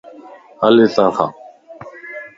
ھل ھتان ڪان